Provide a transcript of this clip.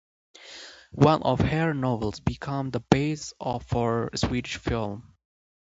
One of her novels became the basis for a Swedish film.